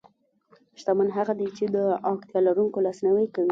شتمن هغه دی چې د اړتیا لرونکو لاسنیوی کوي.